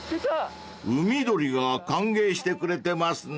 ［海鳥が歓迎してくれてますね］